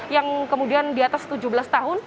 yang kemudian diatas tujuh belas tahun